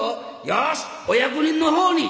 よしお役人のほうに！」。